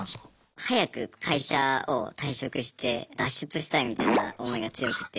早く会社を退職して脱出したいみたいな思いが強くて。